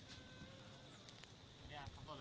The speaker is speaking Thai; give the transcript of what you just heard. สวัสดี